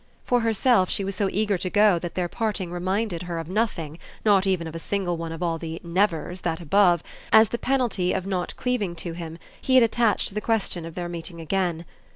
For herself she was so eager to go that their parting reminded her of nothing, not even of a single one of all the "nevers" that above, as the penalty of not cleaving to him, he had attached to the question of their meeting again.